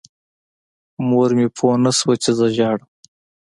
مور مې پوه نه شوه چې زه ژاړم.